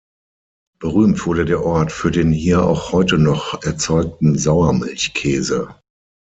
Berühmt wurde der Ort für den hier auch heute noch erzeugten Sauermilchkäse.